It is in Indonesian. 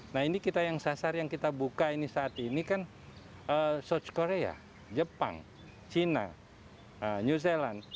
nah ini kita yang sasar yang kita buka ini saat ini kan south korea jepang china new zealand